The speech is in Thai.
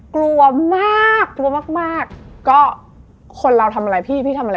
กลัวมากก็คนเราทำอะไรพี่พี่ทำอะไร